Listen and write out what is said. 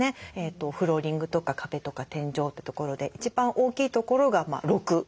フローリングとか壁とか天井ってところで一番大きいところが６。